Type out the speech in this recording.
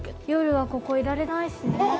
夜はここいられないしね